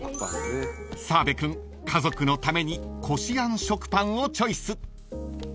［澤部君家族のためにこしあん食パンをチョイス］